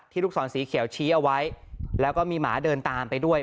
ลูกศรสีเขียวชี้เอาไว้แล้วก็มีหมาเดินตามไปด้วย